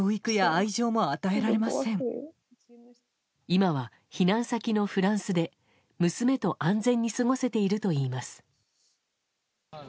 今は避難先のフランスで、娘と安全に過ごせているといいます。